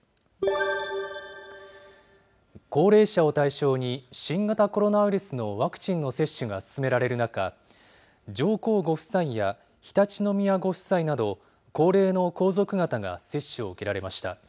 高齢者を対象に、新型コロナウイルスのワクチンの接種が進められる中、上皇ご夫妻や常陸宮ご夫妻など、高齢の皇族方が接種を受けられました。